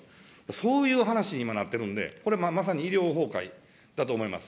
そういう話にも今、なってるんで、これ、まさに医療崩壊だと思います。